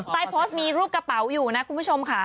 โพสต์มีรูปกระเป๋าอยู่นะคุณผู้ชมค่ะ